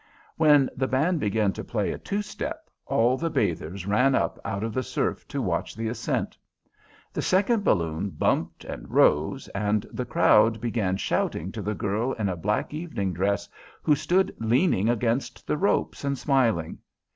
When the band began to play a two step, all the bathers ran up out of the surf to watch the ascent. The second balloon bumped and rose, and the crowd began shouting to the girl in a black evening dress who stood leaning against the ropes and smiling.